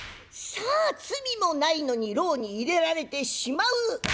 さあ罪もないのに牢に入れられてしまう。